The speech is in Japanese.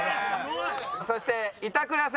そして板倉さん。